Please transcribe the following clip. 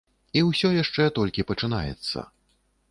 І ўсё яшчэ толькі пачынаецца.